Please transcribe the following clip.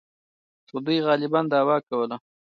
خو دوی غالباً دعوا کوله.